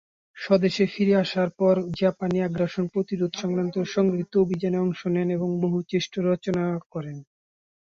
স্বদেশে ফিরে আসার পর জাপানী আগ্রাসন প্রতিরোধ সংক্রান্ত সংগীত অভিযানে অংশ নেন এবং বহু শ্রেষ্ঠ রচনা করেন।